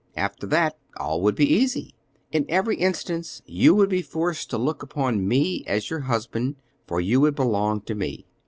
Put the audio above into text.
After that, all would be easy. In every instance you would be forced to look upon me as your husband, for you would belong to me.